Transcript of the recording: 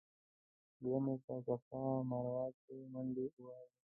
بیا مې په صفا مروه کې منډې ووهلې.